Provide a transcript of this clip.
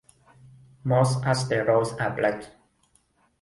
Most asteroids are black.